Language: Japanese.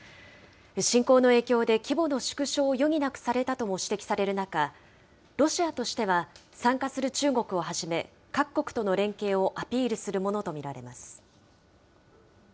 侵攻の影響で規模の縮小を余儀なくされたとも指摘される中、ロシアとしては参加する中国をはじめ、各国との連携をアピールするものと見られます。